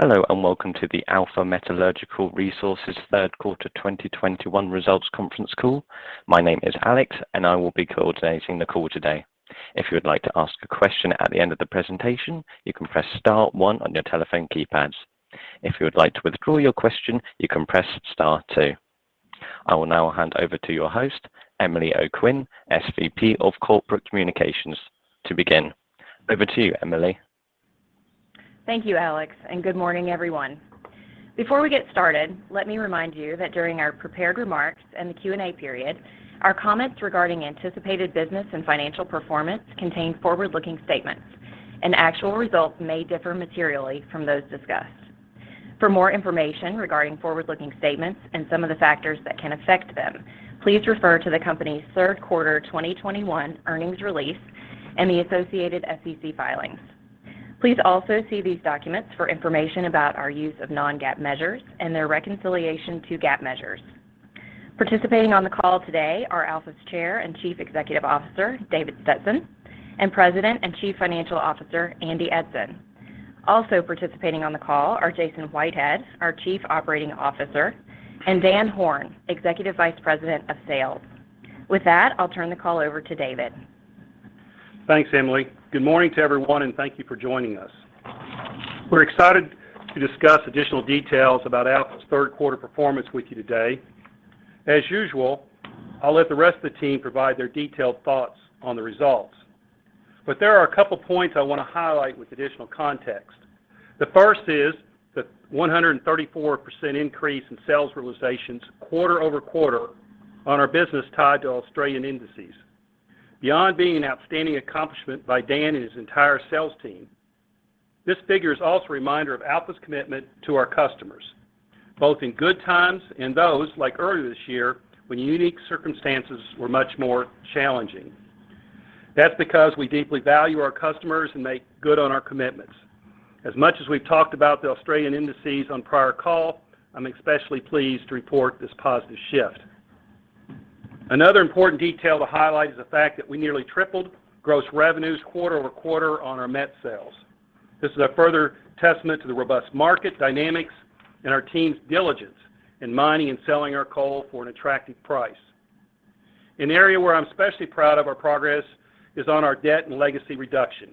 Hello, and welcome to the Alpha Metallurgical Resources Q3 2021 results conference call. My name is Alex, and I will be coordinating the call today. If you would like to ask a question at the end of the presentation, you can press star one on your telephone keypads. If you would like to withdraw your question, you can press star two. I will now hand over to your host, Emily O'Quinn, SVP of Corporate Communications, to begin. Over to you, Emily. Thank you, Alex, and good morning, everyone. Before we get started, let me remind you that during our prepared remarks and the Q&A period, our comments regarding anticipated business and financial performance contain forward-looking statements, and actual results may differ materially from those discussed. For more information regarding forward-looking statements and some of the factors that can affect them, please refer to the company's Q3 2021 earnings release and the associated SEC filings. Please also see these documents for information about our use of non-GAAP measures and their reconciliation to GAAP measures. Participating on the call today are Alpha's Chair and Chief Executive Officer, David Stetson, and President and Chief Financial Officer, Andy Eidson. Also participating on the call are Jason Whitehead, our Chief Operating Officer, and Dan Horn, Executive Vice President of Sales. With that, I'll turn the call over to David. Thanks, Emily. Good morning to everyone, and thank you for joining us. We're excited to discuss additional details about Alpha's Q3 performance with you today. As usual, I'll let the rest of the team provide their detailed thoughts on the results. There are a couple points I want to highlight with additional context. The first is the 134% increase in sales realizations quarter-over-quarter on our business tied to Australian indices. Beyond being an outstanding accomplishment by Dan and his entire sales team, this figure is also a reminder of Alpha's commitment to our customers, both in good times and those, like earlier this year, when unique circumstances were much more challenging. That's because we deeply value our customers and make good on our commitments. As much as we've talked about the Australian indices on prior call, I'm especially pleased to report this positive shift. Another important detail to highlight is the fact that we nearly tripled gross revenues quarter over quarter on our met sales. This is a further testament to the robust market dynamics and our team's diligence in mining and selling our coal for an attractive price. An area where I'm especially proud of our progress is on our debt and legacy reduction.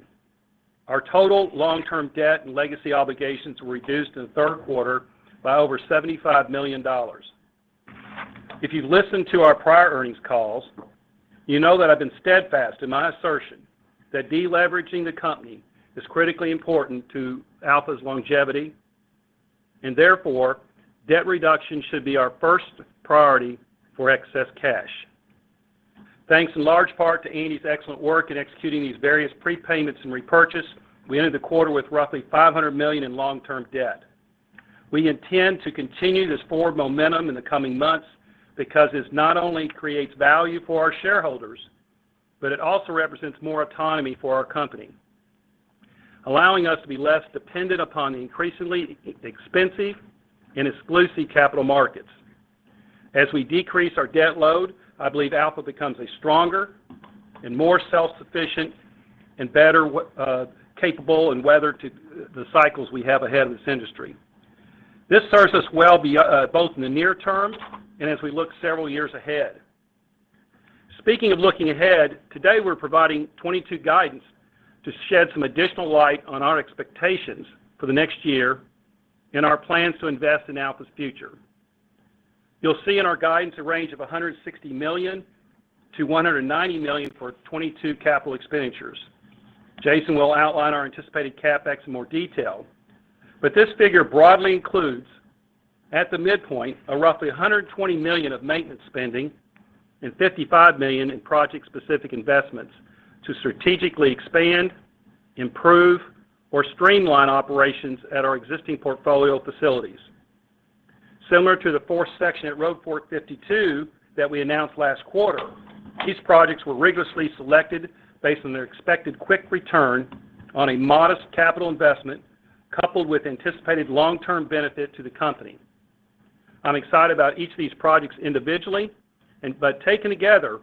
Our total long-term debt and legacy obligations were reduced in the Q3 by over $75 million. If you've listened to our prior earnings calls, you know that I've been steadfast in my assertion that deleveraging the company is critically important to Alpha's longevity, and therefore, debt reduction should be our first priority for excess cash. Thanks in large part to Andy's excellent work in executing these various prepayments and repurchase, we ended the quarter with roughly $500 million in long-term debt. We intend to continue this forward momentum in the coming months because this not only creates value for our shareholders, but it also represents more autonomy for our company, allowing us to be less dependent upon increasingly expensive and exclusive capital markets. As we decrease our debt load, I believe Alpha becomes a stronger and more self-sufficient and better capable and weather to the cycles we have ahead of this industry. This serves us well both in the near term and as we look several years ahead. Speaking of looking ahead, today we're providing 2022 guidance to shed some additional light on our expectations for the next year and our plans to invest in Alpha's future. You'll see in our guidance a range of $160 million-$190 million for 2022 capital expenditures. Jason will outline our anticipated CapEx in more detail. This figure broadly includes, at the midpoint, a roughly $120 million of maintenance spending and $55 million in project-specific investments to strategically expand, improve, or streamline operations at our existing portfolio facilities. Similar to the fourth section at Road Fork 52 that we announced last quarter, these projects were rigorously selected based on their expected quick return on a modest capital investment coupled with anticipated long-term benefit to the company. I'm excited about each of these projects individually, and but taken together,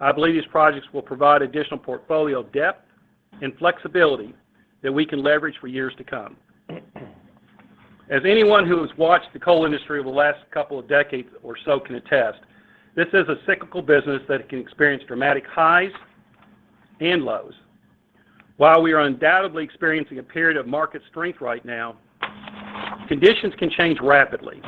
I believe these projects will provide additional portfolio depth and flexibility that we can leverage for years to come. As anyone who has watched the coal industry over the last couple of decades or so can attest, this is a cyclical business that can experience dramatic highs and lows. While we are undoubtedly experiencing a period of market strength right now, conditions can change rapidly.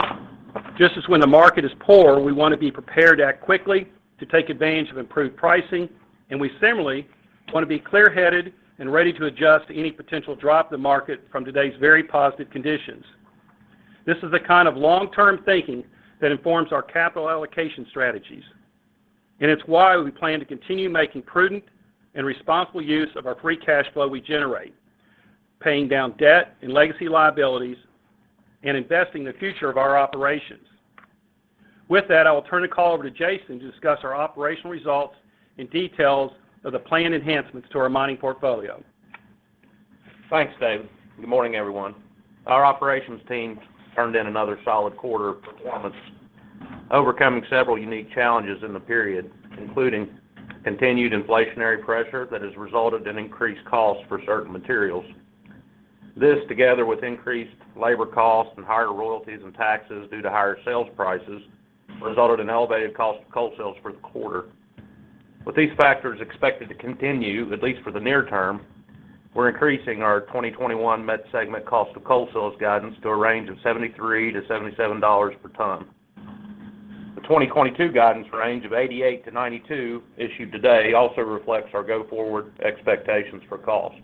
Just as when the market is poor, we want to be prepared to act quickly to take advantage of improved pricing, and we similarly want to be clear-headed and ready to adjust to any potential drop in the market from today's very positive conditions. This is the kind of long-term thinking that informs our capital allocation strategies, and it's why we plan to continue making prudent and responsible use of our free cash flow we generate, paying down debt and legacy liabilities and investing in the future of our operations. With that, I will turn the call over to Jason to discuss our operational results and details of the planned enhancements to our mining portfolio. Thanks, David. Good morning, everyone. Our operations team turned in another solid quarter of performance. Overcoming several unique challenges in the period, including continued inflationary pressure that has resulted in increased costs for certain materials. This, together with increased labor costs and higher royalties and taxes due to higher sales prices, resulted in elevated cost of coal sales for the quarter. With these factors expected to continue, at least for the near term, we're increasing our 2021 met segment cost of coal sales guidance to a range of $73-$77 per ton. The 2022 guidance range of $88-$92 issued today also reflects our go forward expectations for cost.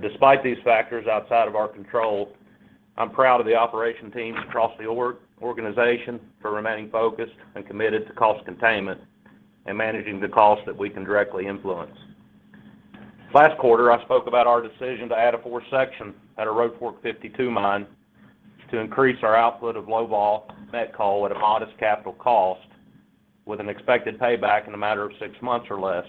Despite these factors outside of our control, I'm proud of the operation teams across the organization for remaining focused and committed to cost containment and managing the costs that we can directly influence. Last quarter, I spoke about our decision to add a fourth section at our Road Fork 52 mine to increase our output of low vol met coal at a modest capital cost with an expected payback in a matter of six months or less.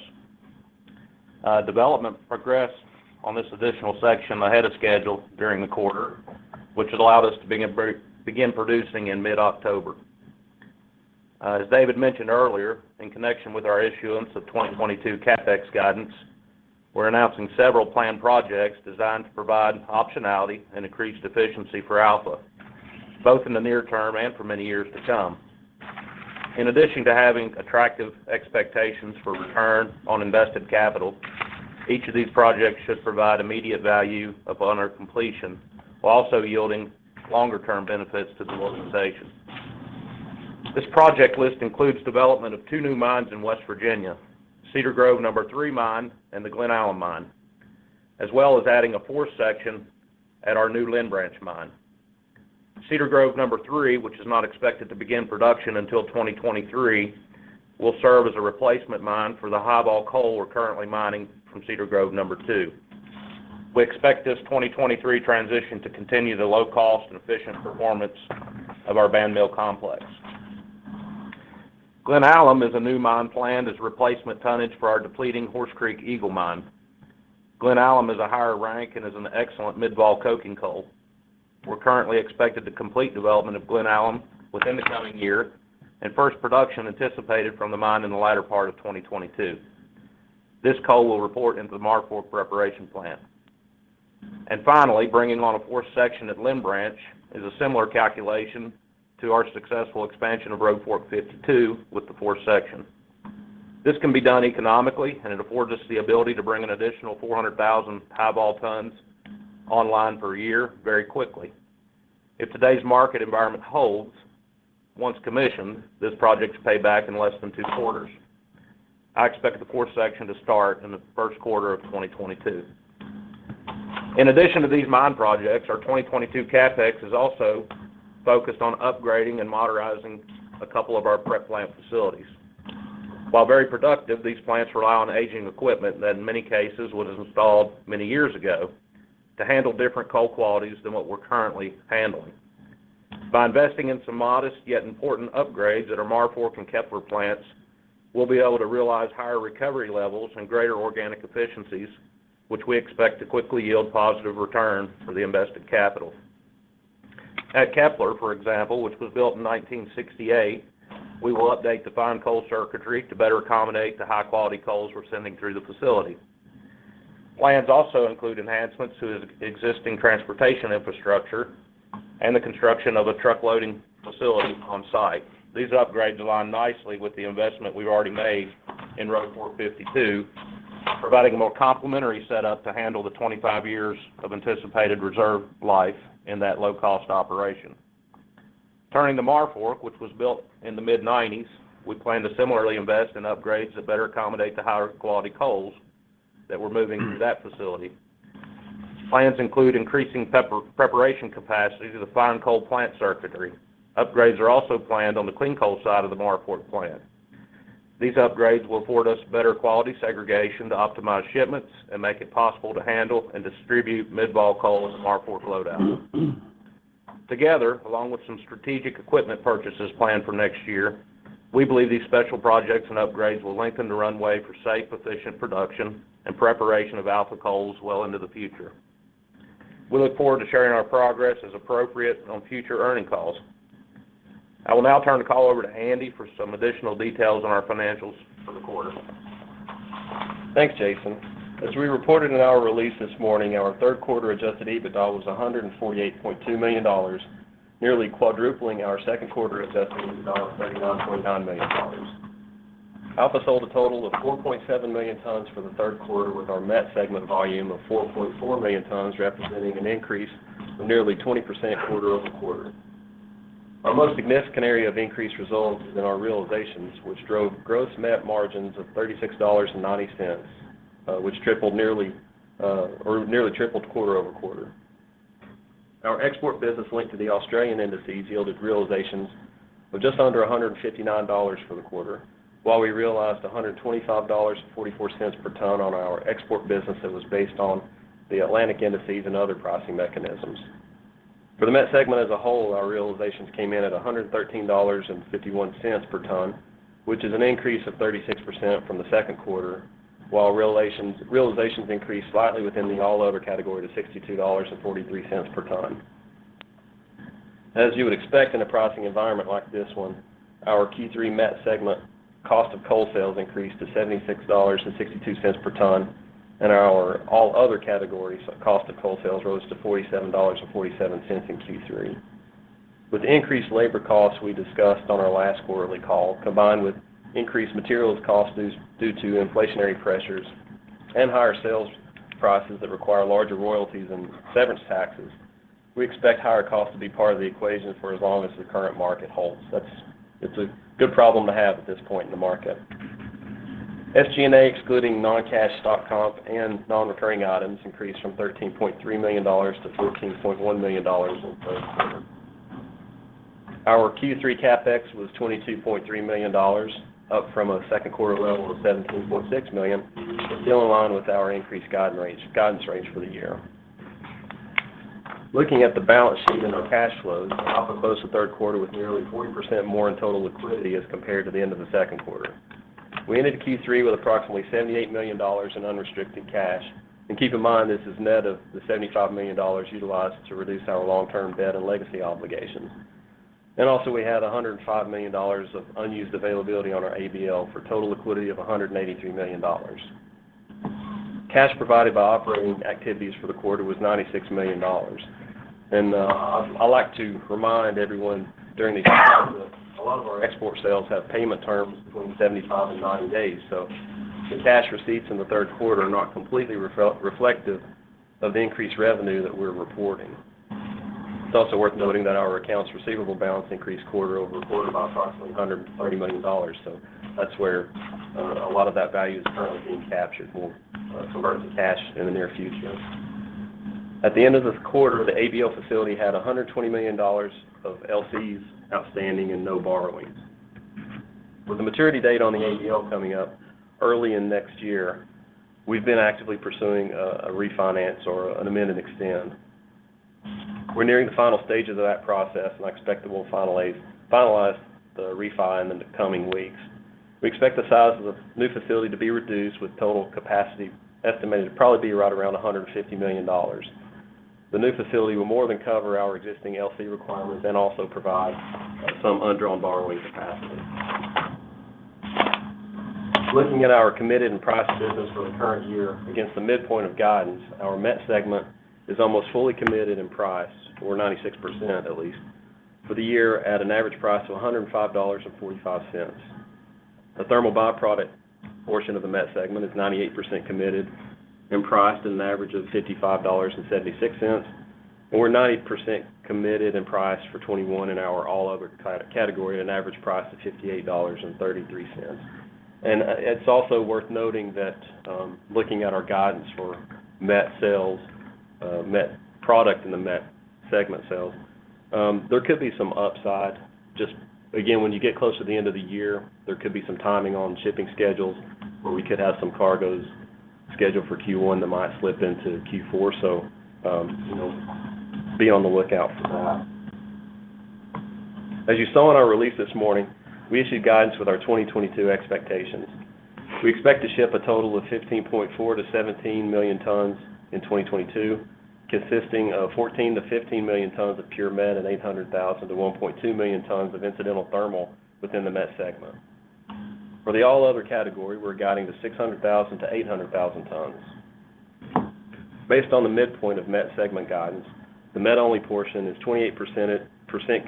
Development progressed on this additional section ahead of schedule during the quarter, which has allowed us to begin producing in mid-October. As David mentioned earlier, in connection with our issuance of 2022 CapEx guidance, we're announcing several planned projects designed to provide optionality and increased efficiency for Alpha, both in the near term and for many years to come. In addition to having attractive expectations for return on invested capital, each of these projects should provide immediate value upon our completion while also yielding longer term benefits to the organization. This project list includes development of two new mines in West Virginia, Cedar Grove number 3 mine and the Glen Allen mine, as well as adding a fourth section at our New Lynn Branch mine. Cedar Grove number 3, which is not expected to begin production until 2023, will serve as a replacement mine for the high vol coal we're currently mining from Cedar Grove number 2. We expect this 2023 transition to continue the low cost and efficient performance of our Bandmill complex. Glen Allen is a new mine planned as replacement tonnage for our depleting Horse Creek Eagle mine. Glen Allen is a higher rank and is an excellent mid-vol coking coal. We currently expect to complete development of Glen Allen within the coming year and first production anticipated from the mine in the latter part of 2022. This coal will report into the Marfork preparation plant. Finally, bringing on a fourth section at Lynn Branch is a similar calculation to our successful expansion of Road Fork 52 with the fourth section. This can be done economically, and it affords us the ability to bring an additional 400,000 high vol tons online per year very quickly. If today's market environment holds, once commissioned, this project should pay back in less than two quarters. I expect the fourth section to start in the Q1 of 2022. In addition to these mine projects, our 2022 CapEx is also focused on upgrading and modernizing a couple of our prep plant facilities. While very productive, these plants rely on aging equipment that in many cases was installed many years ago to handle different coal qualities than what we're currently handling. By investing in some modest yet important upgrades at our Marfork and Kepler plants, we'll be able to realize higher recovery levels and greater organic efficiencies, which we expect to quickly yield positive return for the invested capital. At Kepler, for example, which was built in 1968, we will update the fine coal circuitry to better accommodate the high-quality coals we're sending through the facility. Plans also include enhancements to the existing transportation infrastructure and the construction of a truck loading facility on site. These upgrades align nicely with the investment we've already made in Road Fork 52, providing a more complementary setup to handle the 25 years of anticipated reserve life in that low-cost operation. Turning to Marfork, which was built in the mid-1990s, we plan to similarly invest in upgrades that better accommodate the higher quality coals that we're moving through that facility. Plans include increasing preparation capacity to the fine coal plant circuitry. Upgrades are also planned on the clean coal side of the Marfork plant. These upgrades will afford us better quality segregation to optimize shipments and make it possible to handle and distribute mid-vol coal in the Marfork load out. Together, along with some strategic equipment purchases planned for next year, we believe these special projects and upgrades will lengthen the runway for safe, efficient production and preparation of Alpha coals well into the future. We look forward to sharing our progress as appropriate on future earnings calls. I will now turn the call over to Andy for some additional details on our financials for the quarter. Thanks, Jason. As we reported in our release this morning, our Q3 adjusted EBITDA was $148.2 million, nearly quadrupling our Q2 adjusted EBITDA of $39.9 million. Alpha sold a total of 4.7 million tons for the Q3 with our met segment volume of 4.4 million tons, representing an increase of nearly 20% quarter-over-quarter. Our most significant area of increased results is in our realizations which drove gross met margins of $36.90, which nearly tripled quarter-over-quarter. Our export business linked to the Australian indices yielded realizations of just under $159 for the quarter, while we realized $125.44 per ton on our export business that was based on the Atlantic indices and other pricing mechanisms. For the met segment as a whole, our realizations came in at $113.51 per ton, which is an increase of 36% from the Q2. While realizations increased slightly within the all other category to $62.43 per ton. As you would expect in a pricing environment like this one, our Q3 met segment cost of coal sales increased to $76.62 per ton, and our all other categories of cost of coal sales rose to $47.47 in Q3. With increased labor costs we discussed on our last quarterly call, combined with increased materials costs due to inflationary pressures and higher sales prices that require larger royalties and severance taxes, we expect higher costs to be part of the equation for as long as the current market holds. That's. It's a good problem to have at this point in the market. SG&A, excluding non-cash stock comp and non-recurring items, increased from $13.3 million-$14.1 million in Q3. Our Q3 CapEx was $22.3 million, up from a Q2 level of $17.6 million, still in line with our increased guidance range for the year. Looking at the balance sheet and our cash flows, Alpha closed the Q3 with nearly 40% more in total liquidity as compared to the end of the Q2. We ended Q3 with approximately $78 million in unrestricted cash. Keep in mind, this is net of the $75 million utilized to reduce our long-term debt and legacy obligations. We had $105 million of unused availability on our ABL for total liquidity of $183 million. Cash provided by operating activities for the quarter was $96 million. I like to remind everyone during these calls that a lot of our export sales have payment terms between 75 and 90 days. The cash receipts in the Q3 are not completely reflective of the increased revenue that we're reporting. It's also worth noting that our accounts receivable balance increased quarter over quarter by approximately $130 million. That's where a lot of that value is currently being captured. We'll convert it to cash in the near future. At the end of this quarter, the ABL facility had $120 million of LCs outstanding and no borrowings. With the maturity date on the ABL coming up early in next year, we've been actively pursuing a refinance or an amend and extend. We're nearing the final stages of that process, and I expect that we'll finalize the refi in the coming weeks. We expect the size of the new facility to be reduced with total capacity estimated to probably be right around $150 million. The new facility will more than cover our existing LC requirements and also provide some undrawn borrowing capacity. Looking at our committed and priced business for the current year against the midpoint of guidance, our met segment is almost fully committed and priced, or 96% at least, for the year at an average price of $105.45. The thermal byproduct portion of the met segment is 98% committed and priced at an average of $55.76. We're 90% committed and priced for 2021 in our all other category at an average price of $58.33. It's also worth noting that, looking at our guidance for met sales, met product in the met segment sales, there could be some upside. Just again, when you get close to the end of the year, there could be some timing on shipping schedules where we could have some cargoes scheduled for Q1 that might slip into Q4. You know, be on the lookout for that. As you saw in our release this morning, we issued guidance with our 2022 expectations. We expect to ship a total of 15.4-17 million tons in 2022, consisting of 14-15 million tons of pure met and 800,000-1.2 million tons of incidental thermal within the met segment. For the all other category, we're guiding to 600,000-800,000 tons. Based on the midpoint of met segment guidance, the met-only portion is 28%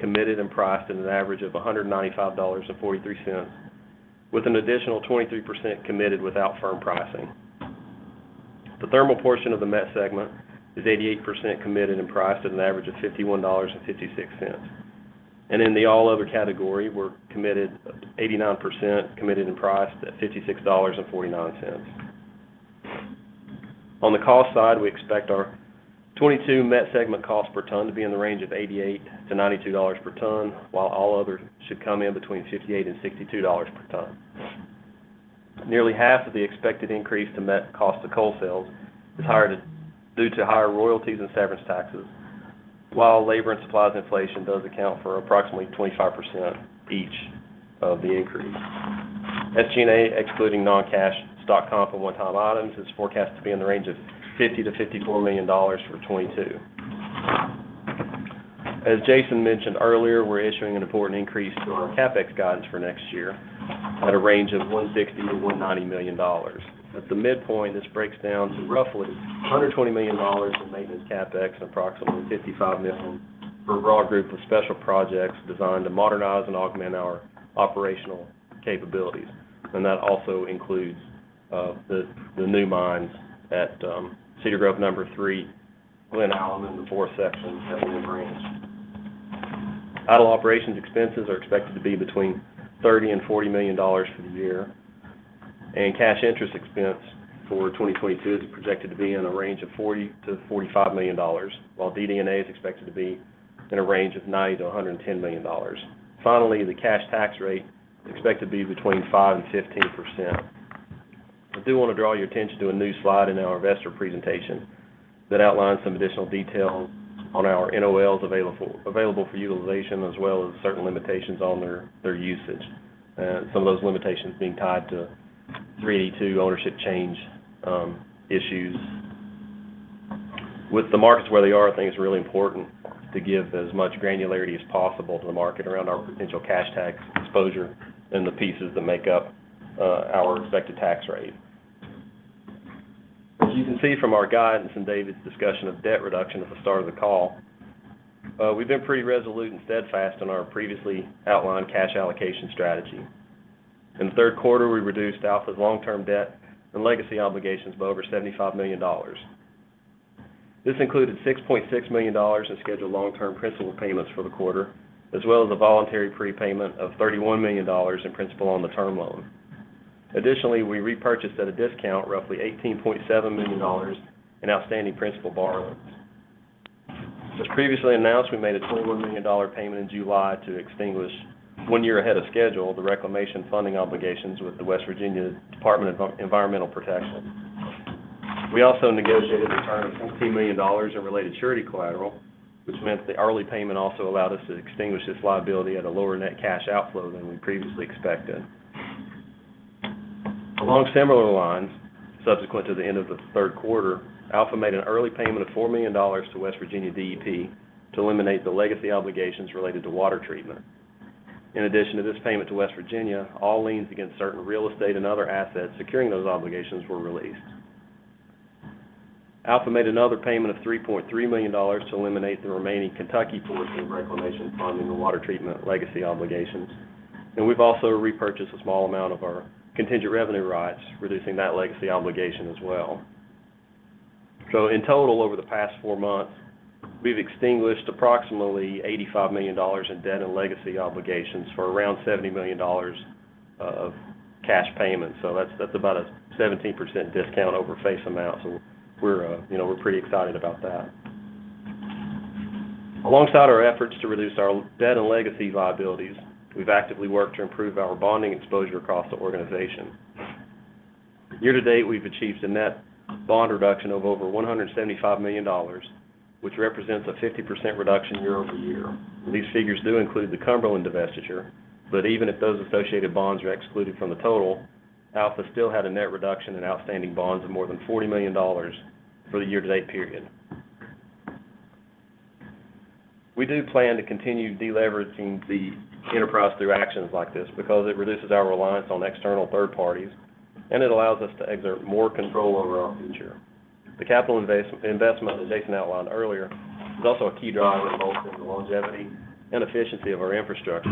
committed and priced at an average of $195.43, with an additional 23% committed without firm pricing. The thermal portion of the met segment is 88% committed and priced at an average of $51.56. In the all other category, we're 89% committed and priced at $56.49. On the cost side, we expect our 2022 met segment cost per ton to be in the range of $88-$92 per ton, while all others should come in between $58-$62 per ton. Nearly half of the expected increase to met cost of coal sales is higher due to higher royalties and severance taxes. While labor and supplies inflation does account for approximately 25% each of the increase. SG&A, excluding non-cash stock comp and one-time items, is forecast to be in the range of $50 million-$54 million for 2022. As Jason mentioned earlier, we're issuing an important increase to our CapEx guidance for next year at a range of $160 million-$190 million. At the midpoint, this breaks down to roughly $120 million in maintenance CapEx and approximately $55 million for a broad group of special projects designed to modernize and augment our operational capabilities. That also includes the new mines at Cedar Grove Number Three, Glen Allen, and the four sections at New Lynn Branch. Idle operations expenses are expected to be between $30 million-$40 million for the year. Cash interest expense for 2022 is projected to be in a range of $40 million-$45 million, while DD&A is expected to be in a range of $90 million-$110 million. Finally, the cash tax rate is expected to be between 5% and 15%. I do want to draw your attention to a new slide in our investor presentation that outlines some additional details on our NOLs available for utilization as well as certain limitations on their usage, some of those limitations being tied to Section 382 ownership change issues. With the markets where they are, I think it's really important to give as much granularity as possible to the market around our potential cash tax exposure and the pieces that make up our expected tax rate. As you can see from our guidance and David's discussion of debt reduction at the start of the call, we've been pretty resolute and steadfast in our previously outlined cash allocation strategy. In the Q3, we reduced Alpha's long-term debt and legacy obligations by over $75 million. This included $6.6 million in scheduled long-term principal payments for the quarter, as well as a voluntary prepayment of $31 million in principal on the term loan. Additionally, we repurchased at a discount roughly $18.7 million in outstanding principal borrowings. As previously announced, we made a $21 million payment in July to extinguish one year ahead of schedule the reclamation funding obligations with the West Virginia Department of Environmental Protection. We also negotiated the return of $17 million in related surety collateral, which meant the early payment also allowed us to extinguish this liability at a lower net cash outflow than we previously expected. Along similar lines, subsequent to the end of the Q3, Alpha made an early payment of $4 million to West Virginia DEP to eliminate the legacy obligations related to water treatment. In addition to this payment to West Virginia, all liens against certain real estate and other assets securing those obligations were released. Alpha made another payment of $3.3 million to eliminate the remaining Kentucky portion of reclamation funding and water treatment legacy obligations. We've also repurchased a small amount of our contingent revenue rights, reducing that legacy obligation as well. In total, over the past four months, we've extinguished approximately $85 million in debt and legacy obligations for around $70 million of cash payments. That's about a 17% discount over face amount. We're, you know, pretty excited about that. Alongside our efforts to reduce our debt and legacy liabilities, we've actively worked to improve our bonding exposure across the organization. Year-to-date, we've achieved a net bond reduction of over $175 million, which represents a 50% reduction year-over-year. These figures do include the Cumberland divestiture, but even if those associated bonds are excluded from the total, Alpha still had a net reduction in outstanding bonds of more than $40 million for the year-to-date period. We do plan to continue deleveraging the enterprise through actions like this because it reduces our reliance on external third parties, and it allows us to exert more control over our future. The capital investment that Jason outlined earlier is also a key driver both in the longevity and efficiency of our infrastructure,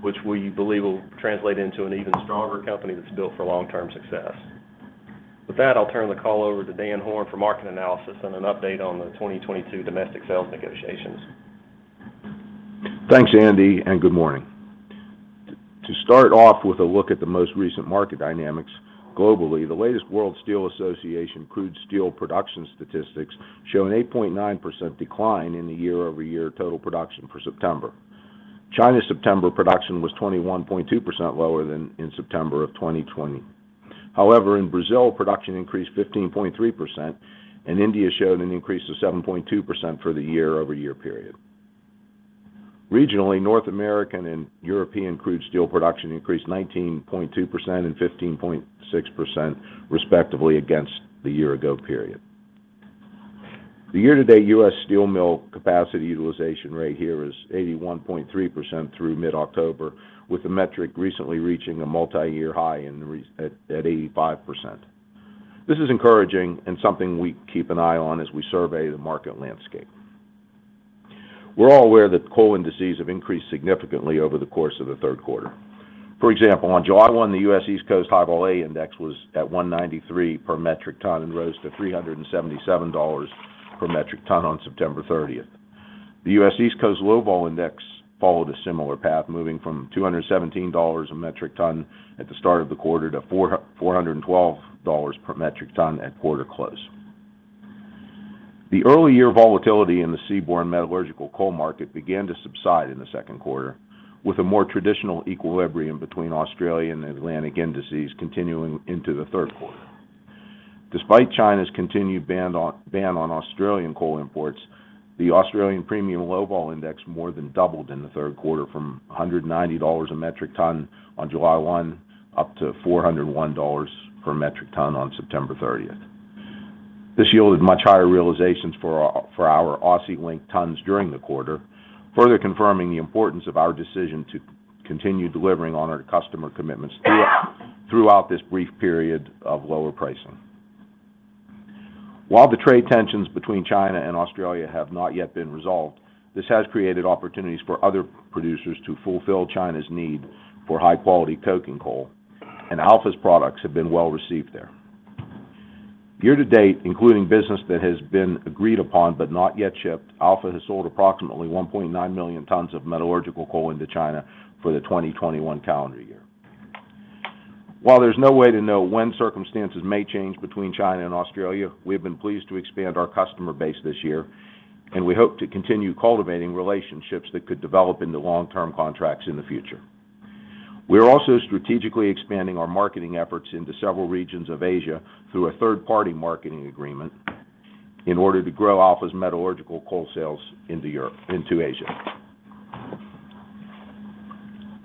which we believe will translate into an even stronger company that's built for long-term success. With that, I'll turn the call over to Dan Horn for market analysis and an update on the 2022 domestic sales negotiations. Thanks, Andy, and good morning. To start off with a look at the most recent market dynamics globally, the latest World Steel Association crude steel production statistics show an 8.9% decline in the year-over-year total production for September. China's September production was 21.2% lower than in September of 2020. However, in Brazil, production increased 15.3%, and India showed an increase of 7.2% for the year-over-year period. Regionally, North American and European crude steel production increased 19.2% and 15.6% respectively against the year-ago period. The year-to-date U.S. steel mill capacity utilization rate here is 81.3% through mid-October, with the metric recently reaching a multi-year high at 85%. This is encouraging and something we keep an eye on as we survey the market landscape. We're all aware that coal indices have increased significantly over the course of the Q3. For example, on July 1, the U.S. East Coast High Vol A index was at $193 per metric ton and rose to $377 per metric ton on September 30. The U.S. East Coast Low Vol index followed a similar path, moving from $217 a metric ton at the start of the quarter to $412 per metric ton at quarter close. The early year volatility in the seaborne metallurgical coal market began to subside in the Q2, with a more traditional equilibrium between Australian and Atlantic indices continuing into the Q3. Despite China's continued ban on Australian coal imports, the Australian premium low vol index more than doubled in the Q3 from $190 a metric ton on July 1 up to $401 per metric ton on September 30. This yielded much higher realizations for our Aussie linked tons during the quarter, further confirming the importance of our decision to continue delivering on our customer commitments throughout this brief period of lower pricing. While the trade tensions between China and Australia have not yet been resolved, this has created opportunities for other producers to fulfill China's need for high-quality coking coal, and Alpha's products have been well received there. Year to date, including business that has been agreed upon but not yet shipped, Alpha has sold approximately 1.9 million tons of metallurgical coal into China for the 2021 calendar year. While there's no way to know when circumstances may change between China and Australia, we have been pleased to expand our customer base this year, and we hope to continue cultivating relationships that could develop into long-term contracts in the future. We are also strategically expanding our marketing efforts into several regions of Asia through a third party marketing agreement in order to grow Alpha's metallurgical coal sales into Asia.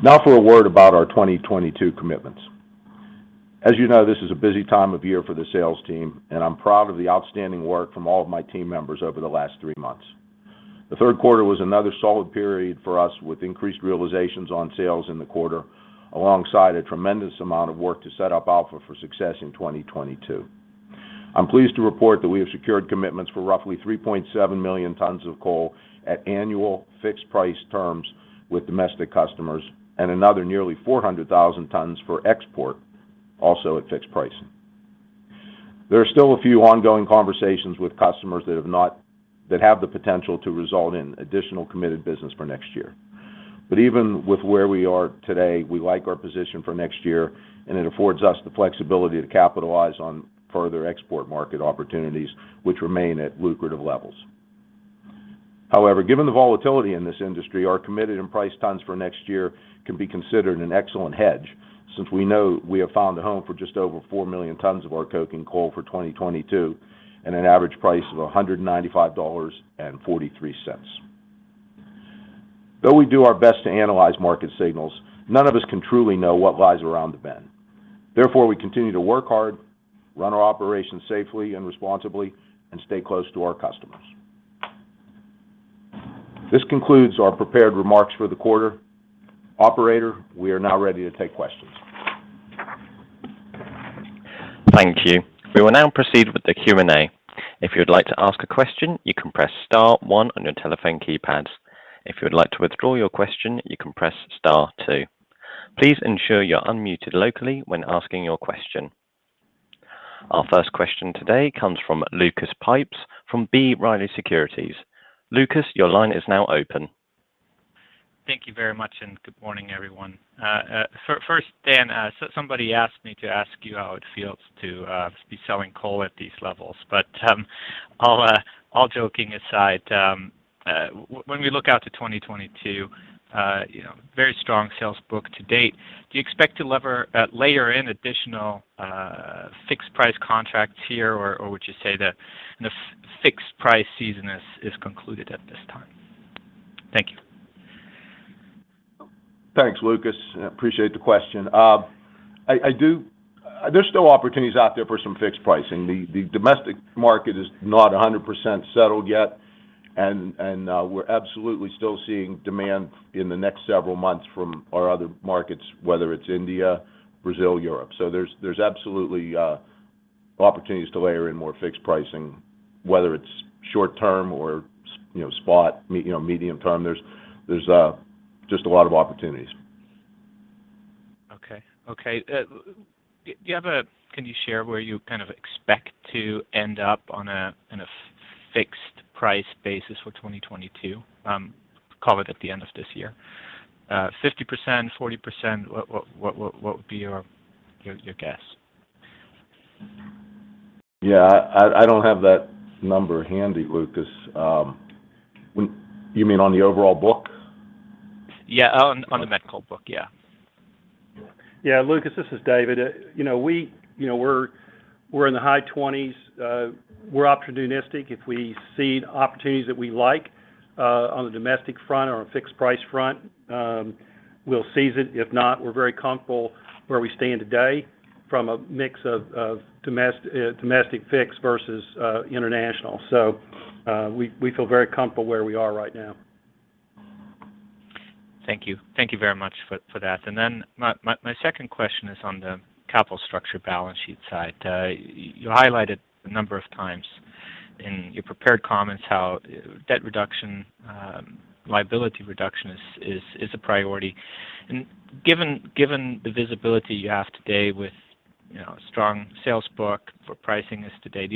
Now for a word about our 2022 commitments. As you know, this is a busy time of year for the sales team, and I'm proud of the outstanding work from all of my team members over the last three months. The Q3 was another solid period for us, with increased realizations on sales in the quarter, alongside a tremendous amount of work to set up Alpha for success in 2022. I'm pleased to report that we have secured commitments for roughly 3.7 million tons of coal at annual fixed price terms with domestic customers and another nearly 400,000 tons for export, also at fixed pricing. There are still a few ongoing conversations with customers that have the potential to result in additional committed business for next year. Even with where we are today, we like our position for next year, and it affords us the flexibility to capitalize on further export market opportunities which remain at lucrative levels. However, given the volatility in this industry, our committed and priced tons for next year can be considered an excellent hedge since we know we have found a home for just over 4 million tons of our coking coal for 2022 at an average price of $195.43. Though we do our best to analyze market signals, none of us can truly know what lies around the bend. Therefore, we continue to work hard, run our operations safely and responsibly, and stay close to our customers. This concludes our prepared remarks for the quarter. Operator, we are now ready to take questions. Thank you. We will now proceed with the Q&A. If you would like to ask a question, you can press star one on your telephone keypads. If you would like to withdraw your question, you can press star two. Please ensure you're unmuted locally when asking your question. Our first question today comes from Lucas Pipes from B. Riley Securities. Lucas, your line is now open. Thank you very much, and good morning, everyone. First, Dan, so somebody asked me to ask you how it feels to be selling coal at these levels. But all joking aside, when we look out to 2022, you know, very strong sales book to date, do you expect to layer in additional fixed price contracts here? Or would you say that the fixed price season is concluded at this time? Thank you. Thanks, Lucas. I appreciate the question. There's still opportunities out there for some fixed pricing. The domestic market is not 100% settled yet, and we're absolutely still seeing demand in the next several months from our other markets, whether it's India, Brazil, Europe. There's absolutely opportunities to layer in more fixed pricing, whether it's short term or spot, medium term. There's just a lot of opportunities. Okay. Can you share where you kind of expect to end up on a fixed price basis for 2022, call it at the end of this year? 50%, 40%, what would be your guess? Yeah, I don't have that number handy, Lucas. You mean on the overall book? Yeah. On the met coal book, yeah. Yeah, Lucas, this is David. You know, we're in the high twenties. We're opportunistic. If we see opportunities that we like, on the domestic front or on fixed price front, we'll seize it. If not, we're very comfortable where we stand today from a mix of domestic fixed versus international. We feel very comfortable where we are right now. Thank you. Thank you very much for that. Then my second question is on the capital structure balance sheet side. You highlighted a number of times in your prepared comments how debt reduction, liability reduction is a priority. Given the visibility you have today with, you know, strong sales book for pricing as today,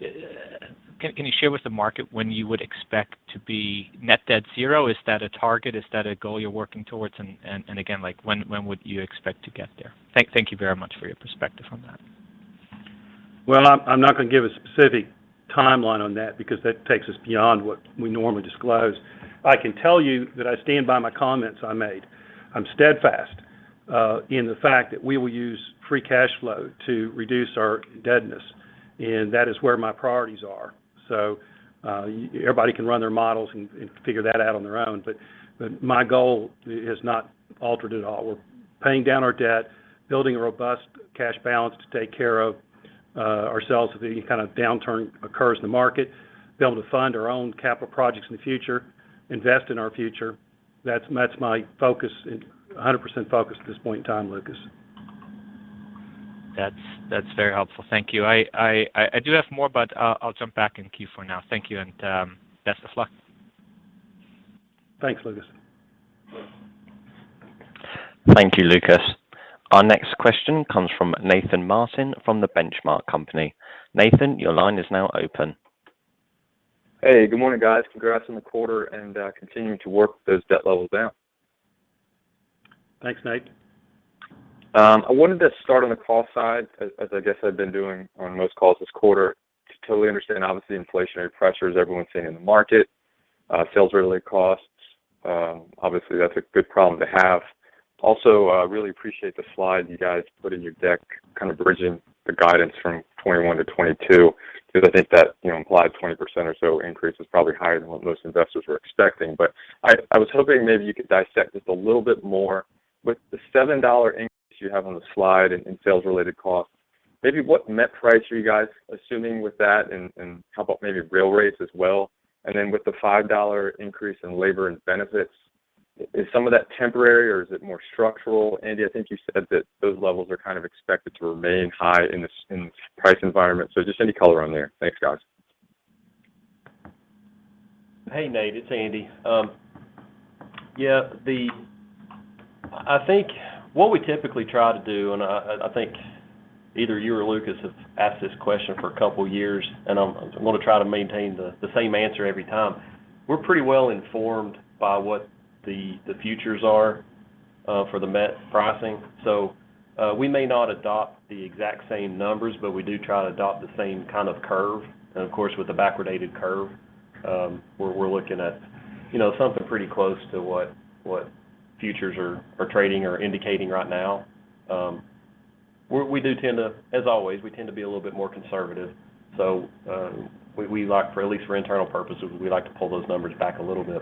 can you share with the market when you would expect to be net debt zero? Is that a target? Is that a goal you're working towards? Again, like, when would you expect to get there? Thank you very much for your perspective on that. Well, I'm not gonna give a specific timeline on that because that takes us beyond what we normally disclose. I can tell you that I stand by my comments I made. I'm steadfast in the fact that we will use free cash flow to reduce our indebtedness, and that is where my priorities are. Everybody can run their models and figure that out on their own. My goal is not altered at all. We're paying down our debt, building a robust cash balance to take care of ourselves if any kind of downturn occurs in the market, be able to fund our own capital projects in the future, invest in our future. That's my focus and 100% focus at this point in time, Lucas. That's very helpful. Thank you. I do have more, but I'll jump back in queue for now. Thank you, and best of luck. Thanks, Lucas. Thank you, Lucas. Our next question comes from Nathan Martin from the Benchmark Company. Nathan, your line is now open. Hey, good morning, guys. Congrats on the quarter and continuing to work those debt levels down. Thanks, Nate. I wanted to start on the coal side as I guess I've been doing on most calls this quarter to totally understand obviously the inflationary pressures everyone's seeing in the market, sales-related costs. Obviously that's a good problem to have. Also, really appreciate the slide you guys put in your deck, kind of bridging the guidance from 2021 to 2022. 'Cause I think that, you know, implied 20% or so increase is probably higher than what most investors were expecting. I was hoping maybe you could dissect this a little bit more with the $7 increase you have on the slide in sales-related costs. Maybe what net price are you guys assuming with that and how about maybe rail rates as well? With the $5 increase in labor and benefits, is some of that temporary or is it more structural? Andy, I think you said that those levels are kind of expected to remain high in this price environment. Just any color on there. Thanks guys. Hey Nate, it's Andy. Yeah, I think what we typically try to do, and I think either you or Lucas have asked this question for a couple years, and I'm gonna try to maintain the same answer every time. We're pretty well informed by what the futures are for the met pricing. We may not adopt the exact same numbers, but we do try to adopt the same kind of curve. Of course with the backwardated curve, where we're looking at you know something pretty close to what futures are trading or indicating right now. We do tend to, as always, be a little bit more conservative. We like for at least for internal purposes to pull those numbers back a little bit.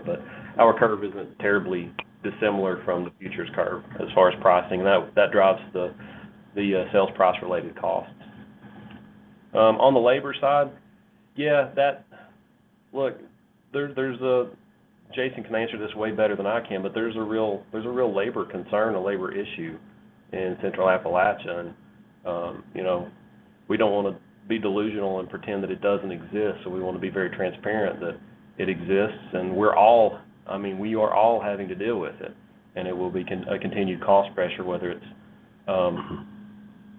Our curve isn't terribly dissimilar from the futures curve as far as pricing. That drives the sales price related costs. On the labor side, yeah. Look, Jason can answer this way better than I can, but there's a real labor concern, a labor issue in Central Appalachia. You know, we don't wanna be delusional and pretend that it doesn't exist, so we wanna be very transparent that it exists and we're all. I mean, we are all having to deal with it. It will be a continued cost pressure, whether it's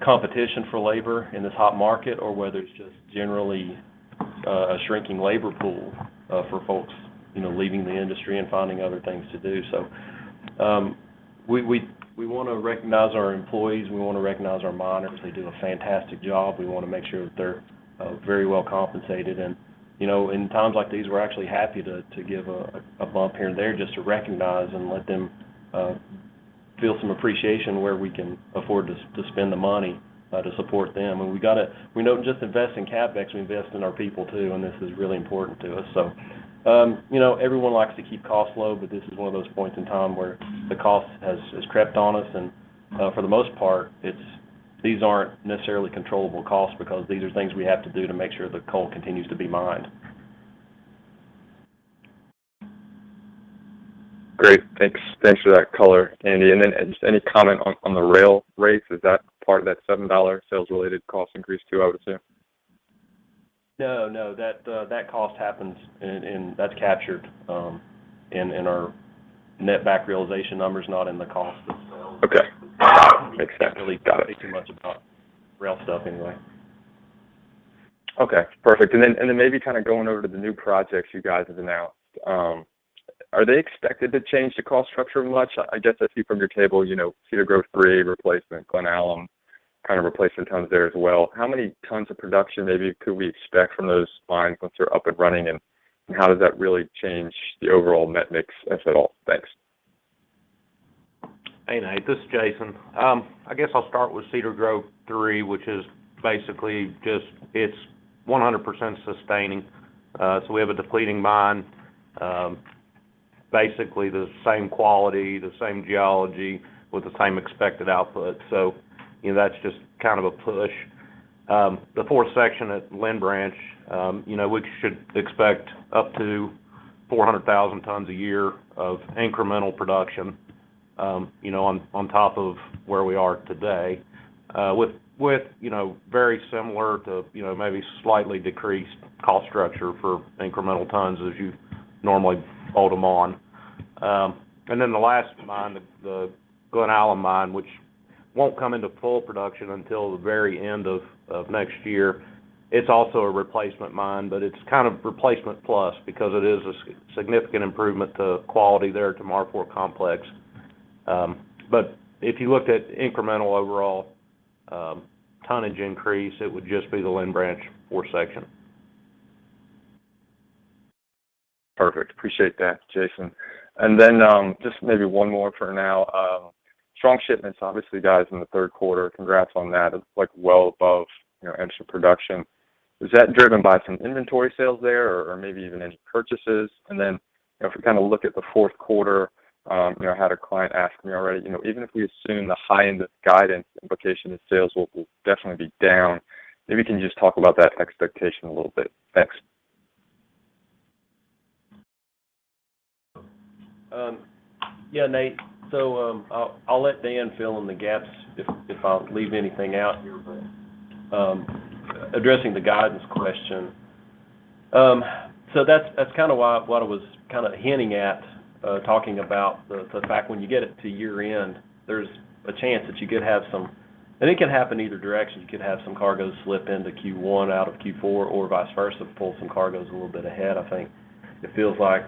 competition for labor in this hot market or whether it's just generally a shrinking labor pool for folks, you know, leaving the industry and finding other things to do. We want to recognize our employees, we wanna recognize our miners. They do a fantastic job. We wanna make sure that they're very well compensated. You know, in times like these, we're actually happy to give a bump here and there just to recognize and let them feel some appreciation where we can afford to spend the money to support them. We don't just invest in CapEx, we invest in our people too, and this is really important to us. You know, everyone likes to keep costs low, but this is one of those points in time where the cost has crept on us and, for the most part, it's. These aren't necessarily controllable costs because these are things we have to do to make sure the coal continues to be mined. Great. Thanks. Thanks for that color, Andy. Just any comment on the rail rates? Is that part of that $7 sales-related cost increase too, I would assume? No, no. That's captured in our net back realization numbers, not in the cost of sales. Okay. Makes sense. Got it. We didn't really talk too much about rail stuff anyway. Okay, perfect. Maybe kinda going over to the new projects you guys have announced. Are they expected to change the cost structure much? I guess I see from your table, you know, Cedar Grove 3 replacement, Glen Allen kind of replacement tons there as well. How many tons of production maybe could we expect from those mines once they're up and running, and how does that really change the overall net mix, if at all? Thanks. Hey, Nate, this is Jason. I guess I'll start with Cedar Grove three, which is basically just 100% sustaining. We have a depleting mine. Basically the same quality, the same geology with the same expected output. You know, that's just kind of a push. The fourth section at Lynn Branch, you know, we should expect up to 400,000 tons a year of incremental production, you know, on top of where we are today. With you know, very similar to you know, maybe slightly decreased cost structure for incremental tons as you normally hold them on. The last mine, the Glen Allen mine, which won't come into full production until the very end of next year. It's also a replacement mine, but it's kind of replacement plus because it is a significant improvement to quality there to Marfork Complex. If you looked at incremental overall tonnage increase, it would just be the Lynn Branch 4 section. Perfect. Appreciate that, Jason. Just maybe one more for now. Strong shipments obviously, guys, in the Q3. Congrats on that. It's like well above, you know, extra production. Is that driven by some inventory sales there or maybe even any purchases? If we kinda look at the Q4, you know, I had a client ask me already, you know, even if we assume the high end of guidance, implication of sales will definitely be down. Maybe you can just talk about that expectation a little bit. Thanks. Yeah, Nate. I'll let Dan fill in the gaps if I leave anything out here. Addressing the guidance question. That's kind of what I was kind of hinting at, talking about the fact when you get it to year end, there's a chance that you could have some. It can happen either direction. You could have some cargoes slip into Q1 out of Q4 or vice versa, pull some cargoes a little bit ahead. I think it feels like,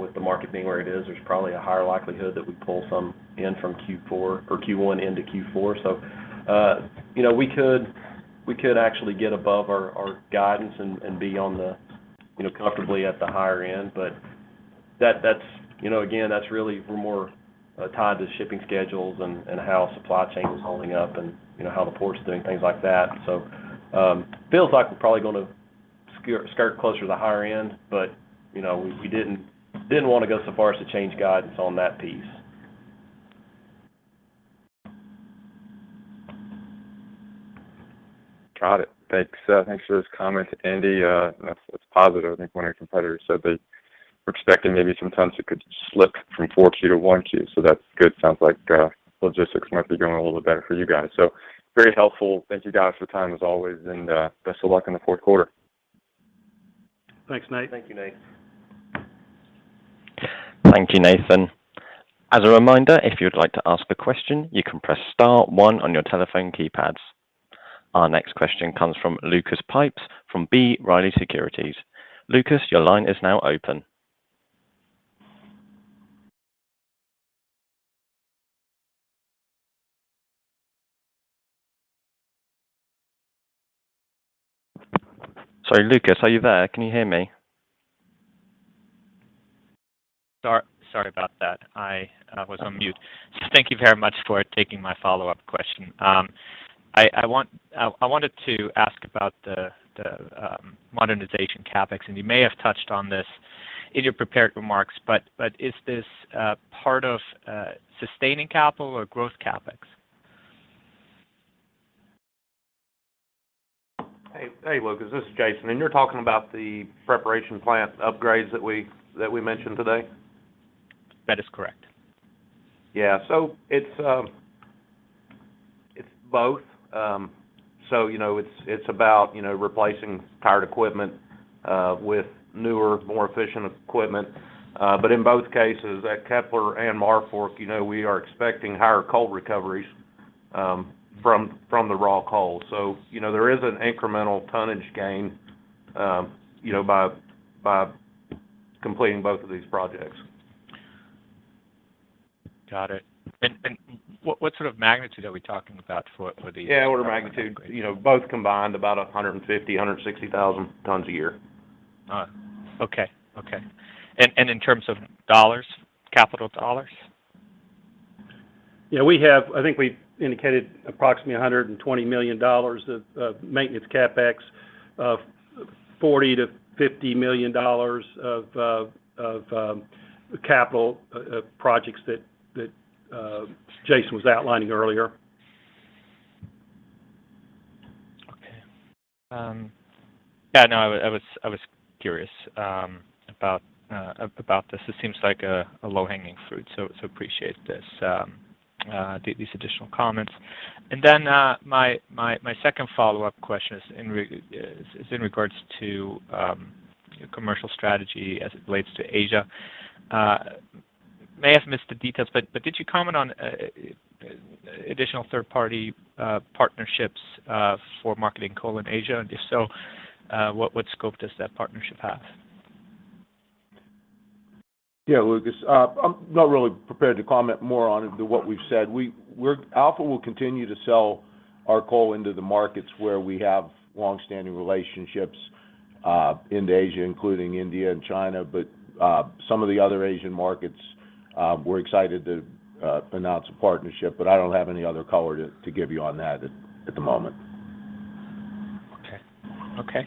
with the market being where it is, there's probably a higher likelihood that we pull some in from Q4 or Q1 into Q4. You know, we could actually get above our guidance and be, you know, comfortably at the higher end. You know, again, that's really where we're more tied to shipping schedules and how supply chain is holding up and, you know, how the port's doing, things like that. Feels like we're probably gonna skirt closer to the higher end, but, you know, we didn't wanna go so far as to change guidance on that piece. Got it. Thanks. Thanks for this comment, Andy. That's positive. I think one of your competitors said they were expecting maybe some tons that could slip from four Q to one Q, so that's good. Sounds like logistics might be going a little bit better for you guys. Very helpful. Thank you guys for the time as always, and best of luck in the Q4. Thanks, Nate. Thank you, Nate. Thank you, Nathan. As a reminder, if you'd like to ask a question, you can press star one on your telephone keypads. Our next question comes from Lucas Pipes from B. Riley Securities. Lucas, your line is now open. Sorry, Lucas, are you there? Can you hear me? Sorry about that. I was on mute. Thank you very much for taking my follow-up question. I wanted to ask about the modernization CapEx, and you may have touched on this in your prepared remarks, but is this part of sustaining capital or growth CapEx? Hey, hey, Lucas, this is Jason. You're talking about the preparation plant upgrades that we mentioned today? That is correct. Yeah. It's both. You know, it's about replacing tired equipment with newer, more efficient equipment. In both cases at Kepler and Marfork, you know, we are expecting higher coal recoveries from the raw coal. You know, there is an incremental tonnage gain by completing both of these projects. Got it. What sort of magnitude are we talking about for these- Yeah, order of magnitude, you know, both combined about 150,000-160,000 tons a year. All right. Okay. In terms of dollars, capital dollars? Yeah, we have. I think we indicated approximately $120 million of maintenance CapEx of $40 million-$50 million of capital projects that Jason was outlining earlier. Okay. Yeah, no, I was curious about this. This seems like a low-hanging fruit, so I appreciate these additional comments. My second follow-up question is in regards to commercial strategy as it relates to Asia. I may have missed the details, but did you comment on additional third-party partnerships for marketing coal in Asia? If so, what scope does that partnership have? Yeah, Lucas, I'm not really prepared to comment more on it than what we've said. Alpha will continue to sell our coal into the markets where we have long-standing relationships into Asia, including India and China. Some of the other Asian markets, we're excited to announce a partnership, but I don't have any other color to give you on that at the moment. Okay.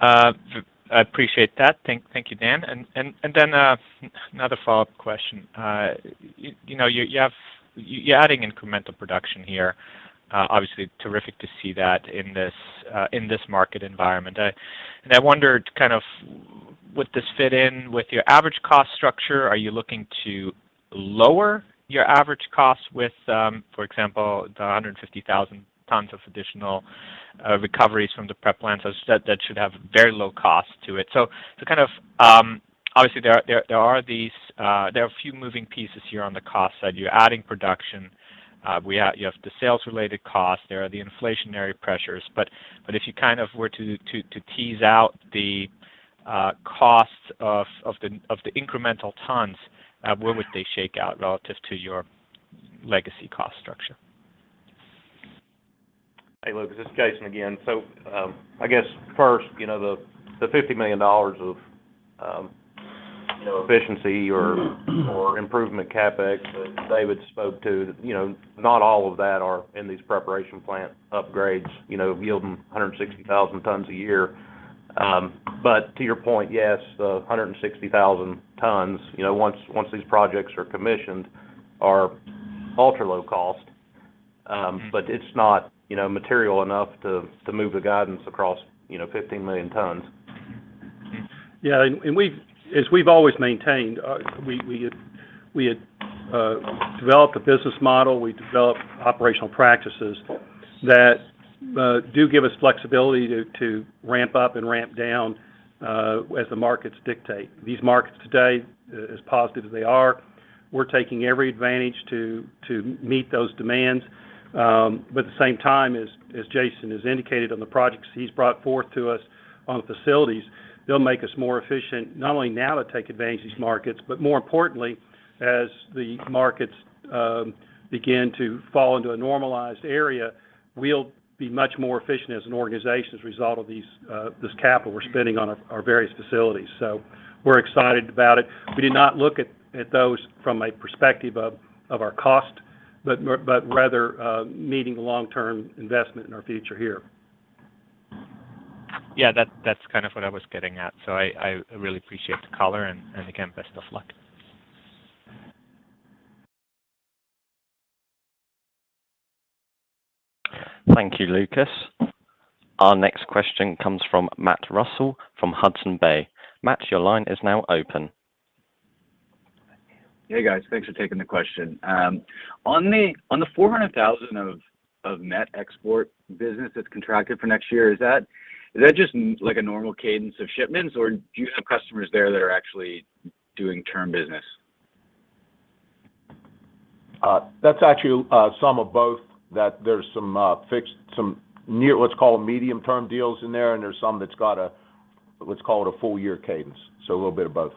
I appreciate that. Thank you, Dan. Then, another follow-up question. You know, you have—you're adding incremental production here. Obviously terrific to see that in this market environment. I wondered, kind of, would this fit in with your average cost structure? Are you looking to lower your average cost with, for example, the 150,000 tons of additional recoveries from the prep plants? As you said, that should have very low cost to it. Kind of, obviously there are these, there are a few moving pieces here on the cost side. You're adding production. You have the sales-related costs. There are the inflationary pressures. If you kind of were to tease out the costs of the incremental tons, where would they shake out relative to your legacy cost structure? Hey, Lucas, this is Jason again. I guess first, you know, the $50 million of, you know, efficiency or improvement CapEx that David spoke to, you know, not all of that are in these preparation plant upgrades, you know, yielding 160,000 tons a year. To your point, yes, the 160,000 tons, you know, once these projects are commissioned are ultra-low cost. It's not, you know, material enough to move the guidance across, you know, 15 million tons. Yeah. We've always maintained we had developed a business model. We developed operational practices that do give us flexibility to ramp up and ramp down as the markets dictate. These markets today, as positive as they are, we're taking every advantage to meet those demands. But at the same time as Jason has indicated on the projects he's brought forth to us on the facilities, they'll make us more efficient, not only now to take advantage of these markets, but more importantly as the markets begin to fall into a normalized area, we'll be much more efficient as an organization as a result of this capital we're spending on our various facilities. We're excited about it. We did not look at those from a perspective of our cost, but rather meeting long-term investment in our future here. Yeah. That, that's kind of what I was getting at. I really appreciate the color and again, best of luck. Thank you, Lucas. Our next question comes from Matt Russell from Hudson Bay. Matt, your line is now open. Hey guys. Thanks for taking the question. On the 400,000 of net export business that's contracted for next year, is that just like a normal cadence of shipments or do you have customers there that are actually doing term business? That's actually some of both that there's some near what's called medium term deals in there, and there's some that's got a, let's call it a full year cadence. A little bit of both.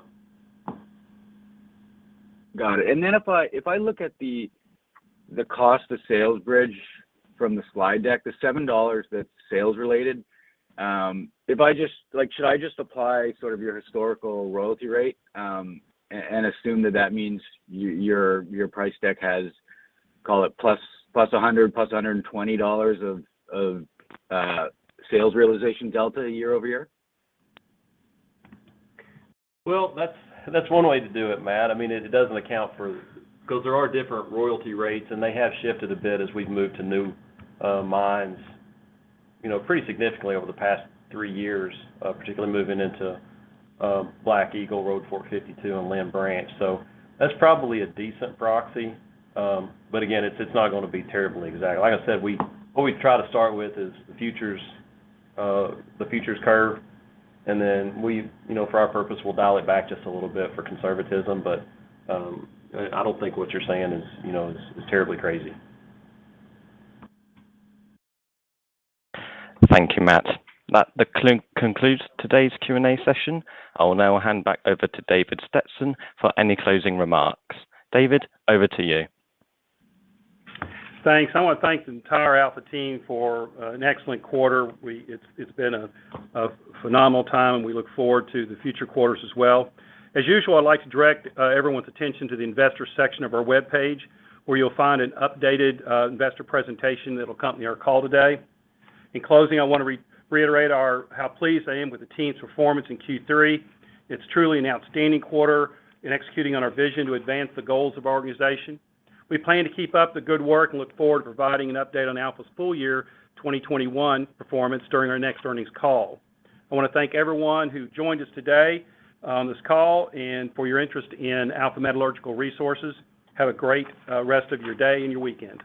Got it. If I look at the cost to sales bridge from the slide deck, the $7 that's sales related, if I just like should I just apply sort of your historical royalty rate, and assume that that means your price deck has, call it $100+, $120+ of sales realization delta year over year? Well, that's one way to do it, Matt. I mean, it doesn't account for because there are different royalty rates, and they have shifted a bit as we've moved to new mines, you know, pretty significantly over the past three years, particularly moving into Black Eagle, Road Fork 52, and Lynn Branch. That's probably a decent proxy. Again, it's not gonna be terribly exact. Like I said, what we try to start with is the futures curve, and then we, you know, for our purpose, we'll dial it back just a little bit for conservatism. I don't think what you're saying is, you know, terribly crazy. Thank you, Matt. That concludes today's Q&A session. I will now hand back over to David Stetson for any closing remarks. David, over to you. Thanks. I want to thank the entire Alpha team for an excellent quarter. It's been a phenomenal time, and we look forward to the future quarters as well. As usual, I'd like to direct everyone's attention to the investor section of our webpage, where you'll find an updated investor presentation that'll accompany our call today. In closing, I want to reiterate how pleased I am with the team's performance in Q3. It's truly an outstanding quarter in executing on our vision to advance the goals of our organization. We plan to keep up the good work and look forward to providing an update on Alpha's full year 2021 performance during our next earnings call. I want to thank everyone who joined us today on this call and for your interest in Alpha Metallurgical Resources. Have a great rest of your day and your weekend.